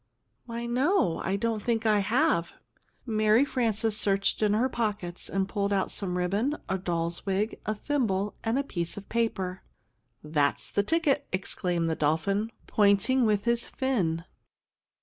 "Why, no, I don't think I have." Mary Frances searched in her pockets, and pulled out some ribbon, a doll's wig, a thimble, and a piece of paper. "That's the ticket!" exclaimed the dolphin, pointing with his fin.